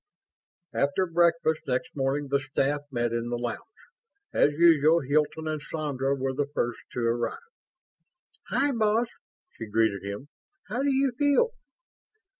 After breakfast next morning, the staff met in the lounge. As usual, Hilton and Sandra were the first to arrive. "Hi, boss," she greeted him. "How do you feel?"